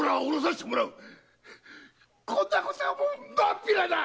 こんなことはもう真っ平だ！